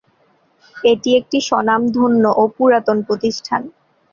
এটি একটি স্বনামধন্য ও পুরাতন প্রতিষ্ঠান।